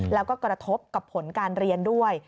แล้วก็กระทบกับผลการเรียนด้วย